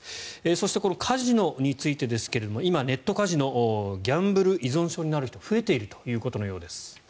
そして、カジノについてですが今、ネットカジノギャンブル依存症になる人が増えているようです。